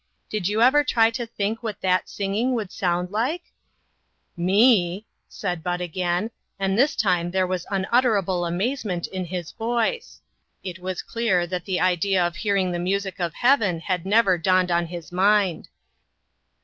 Did you ever try to think what that singing would sound like ?"" Me !" said Bud again, and this time there was unutterable amazement in his voice. It was clear that the idea of hearing the music of heaven had never dawned on his mind.